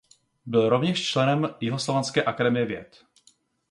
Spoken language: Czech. Byl rovněž členem Jihoslovanské akademie věd.